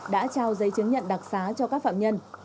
đã trao giấy chứng nhận đặc xá cho các phạm nhân